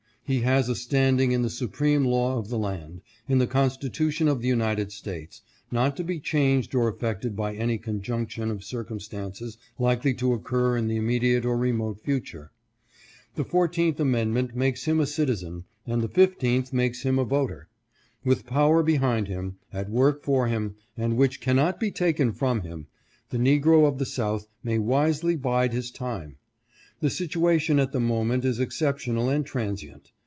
He has a standing in the supreme law of the land — in the Constitution of the United States — not to be changed or affected by any conjunc tion of circumstances likely to occur in the immediate or remote future. The Fourteenth Amendment makes him a citizen, and the Fifteenth makes him a voter. With power behind him, at work for him, and which cannot be taken from him, the negro of the South may wisely bide his time. The situation at the moment is exceptional and transient.